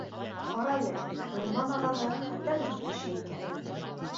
Ҡарәле, Ғилман ағаһы хәтәр ныҡ кеше икән